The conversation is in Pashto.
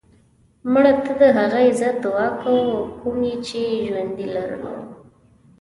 مړه ته د هغه عزت دعا کوو کوم یې چې ژوندی لرلو